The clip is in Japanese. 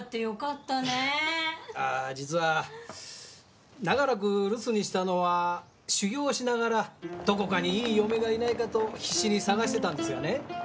ああ実は長らく留守にしたのは修行をしながらどこかにいい嫁がいないかと必死に探してたんですがね。